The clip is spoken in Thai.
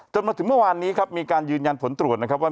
มาถึงเมื่อวานนี้ครับมีการยืนยันผลตรวจนะครับว่า